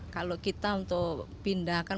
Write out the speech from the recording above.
kalau kita untuk pindahkan